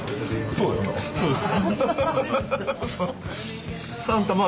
そうです。